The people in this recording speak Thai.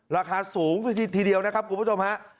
ราคาสูงทีเดียวนะครับคุณผู้ชมฮะ